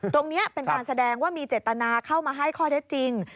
ตรงนี้เป็นการแสดงว่ามีเจตนาเข้ามาให้ข้อเท็จจริง